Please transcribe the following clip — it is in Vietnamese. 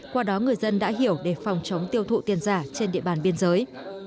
qua đó người dân đã hiểu để phòng chống tiêu thụ tiền giả trên địa bàn biên giới